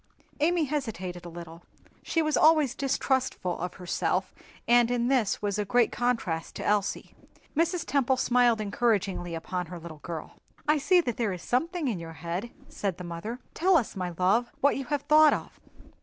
Amy hesitated a little; she was always distrustful of herself, and in this was a great contrast to Elsie. Mrs. Temple smiled encouragingly upon her little girl. "I see that there is something in your head," said the mother; "tell us, my love, what you have thought of.